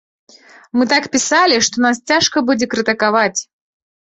Мы так пісалі, што нас цяжка будзе крытыкаваць.